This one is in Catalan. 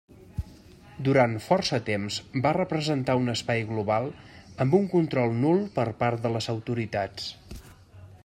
Durant força temps va representar un espai global amb un control nul per part de les autoritats.